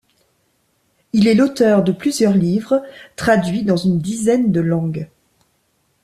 Il est l’auteur de plusieurs livres, traduits dans une dizaine de langues.